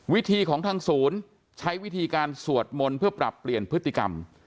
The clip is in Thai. วิธีของทางศูนย์ใช้วิธีการสวดมนต์เพื่อปรับเปลี่ยนพฤติกรรม